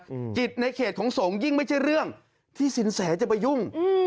จิตในเขตของสงฆ์ยิ่งไม่ใช่เรื่องที่สินแสจะไปยุ่งอืม